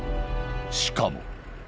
しかも。